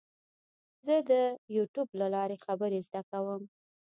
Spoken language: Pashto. زه د یوټیوب له لارې خبرې زده کوم.